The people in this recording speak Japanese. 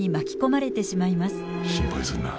心配すんな。